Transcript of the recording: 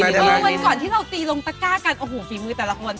คือวันก่อนที่เราตีลงตะก้ากันโอ้โหฝีมือแต่ละคน